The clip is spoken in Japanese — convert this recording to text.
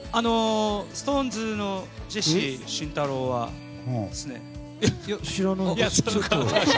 ＳｉｘＴＯＮＥＳのジェシー、慎太郎ですね。